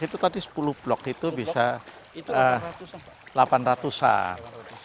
itu tadi sepuluh blok itu bisa delapan ratus an